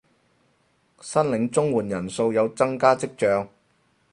申領綜援人數有增加跡象